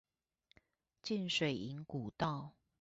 浸水營古道